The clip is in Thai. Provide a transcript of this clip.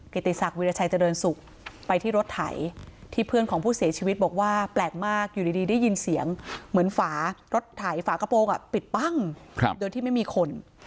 ติศักดิราชัยเจริญสุขไปที่รถไถที่เพื่อนของผู้เสียชีวิตบอกว่าแปลกมากอยู่ดีได้ยินเสียงเหมือนฝารถไถฝากระโปรงปิดปั้งโดยที่ไม่มีคน